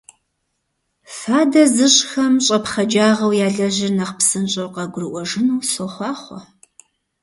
Фадэ зыщӀхэм щӀэпхъаджагъэу ялэжьыр нэхъ псынщӀэу къагурыӀуэжыну сохъуахъуэ!